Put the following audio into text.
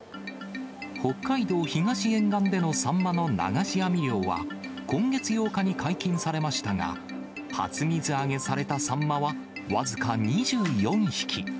北海道東沿岸でのサンマの流し網漁は、今月８日に解禁されましたが、初水揚げされたサンマは僅か２４匹。